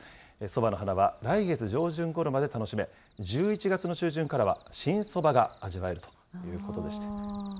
そばの花は来月上旬ごろまで楽しめ、１１月の中旬からは新そばが味わえるということです。